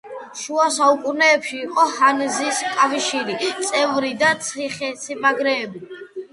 შუა საუკუნეებში იყო ჰანზის კავშირი წევრი და ციხესიმაგრე.